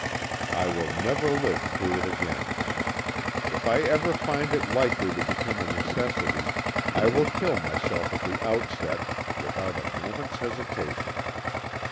I will never live through it again. If I ever find it likely to become a necessity, I will kill myself at the outset, without a moment's hesitation.